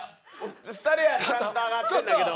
２人はちゃんと上がってるんだけど。